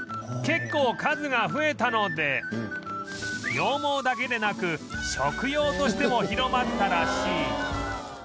結構数が増えたので羊毛だけでなく食用としても広まったらしい